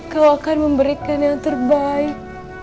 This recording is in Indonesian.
kau akan memberikan yang terbaik